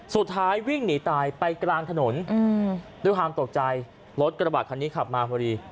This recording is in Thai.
สุดท้ายวิ่งหนีตายไปกลางถนนด้วยความตกใจรถกระบะคันนี้ขับมาพอดี